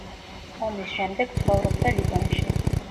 ომის შემდეგ ცხოვრობდა ლიბანში.